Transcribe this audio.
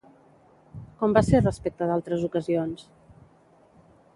Com va ser respecte d'altres ocasions?